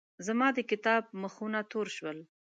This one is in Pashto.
زما د کتاب مخونه تور شول.